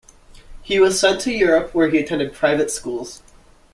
He was sent to Europe where he attended private schools.